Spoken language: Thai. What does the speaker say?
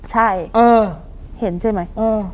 เห็นใช่มั้ย